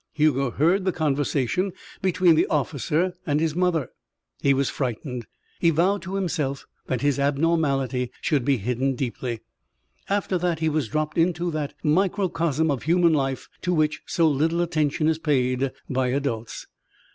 Hugo heard the conversation between the officer and his mother. He was frightened. He vowed to himself that his abnormality should be hidden deeply. After that he was dropped into that microcosm of human life to which so little attention is paid by adults.